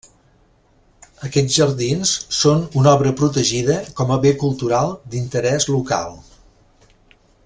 Aquests jardins són una obra protegida com a bé cultural d'interès local.